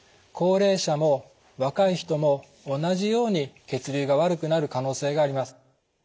高齢者も若い人も同じように血流が悪くなる可能性があります。